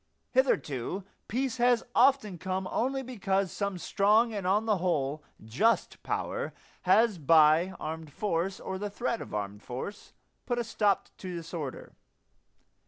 Hitherto peace has often come only because some strong and on the whole just power has by armed force, or the threat of armed force, put a stop to disorder.